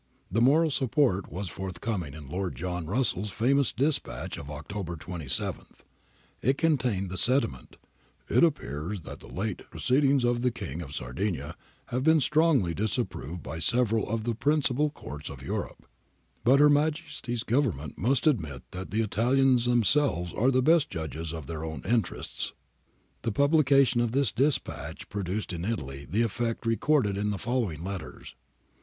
[The 'moral support' was forthcoming in Lord John Russell's famous dispatch of October 27 (No. 195 in the F. O. MSS. No. 136, p. 125, in the Br. Pari Papers, vii.). It contained the sentiment —' It appears that the late proceed ings of the King of Sardinia have been strongly disapproved by several of the principal Courts of Europe,' But ' Her Majesty's Government must admit that the Italians themselves are the best judges of their own interests.' See p. 282 above. The publication of this dispatch produced in Italy the effect recorded in the following letters.